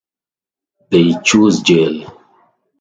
They chose jail.